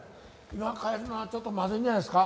今帰るのはちょっとまずいんじゃないですか？